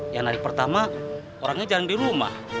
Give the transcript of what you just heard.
yang narik pertama orangnya jarang di rumah